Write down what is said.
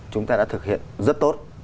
chúng ta đã thực hiện rất tốt